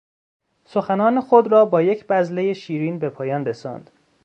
سخنان خود را با یک بذلهی شیرین به پایان رساند.